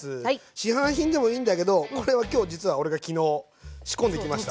市販品でもいいんだけどこれは今日実は俺が昨日仕込んできました。